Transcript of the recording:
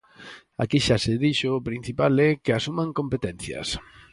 Aquí xa se dixo: o principal é que asuman competencias.